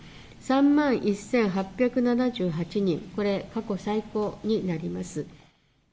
３万１８７８人、これ、過去最高になります。